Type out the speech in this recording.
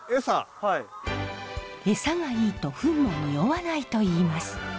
エサがいいとフンも臭わないといいます。